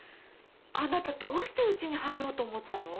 あなたどうしてうちに入ろうと思ったの？